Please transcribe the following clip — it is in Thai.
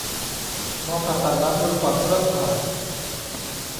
หมอผ่าตัดล้างมือก่อนเริ่มผ่า